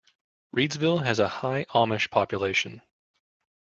Reedsville has a high Amish population.